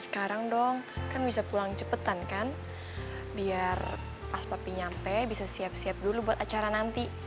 sekarang dong kan bisa pulang cepatan kan biar pas papi nyampe bisa siap siap dulu buat acara nanti